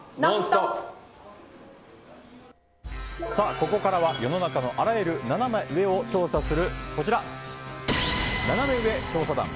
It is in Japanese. ここからは世の中のあらゆるナナメ上を調査するナナメ上調査団。